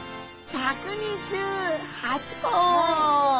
１２８個。